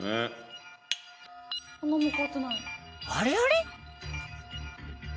あれあれ？